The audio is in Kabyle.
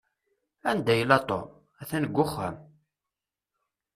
Anda yella Tom? At-an deg uxxam.